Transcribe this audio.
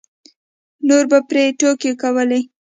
نورو به پرې ټوکې کولې.